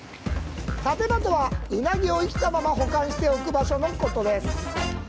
立て場とはうなぎを生きたまま保管しておく場所のことです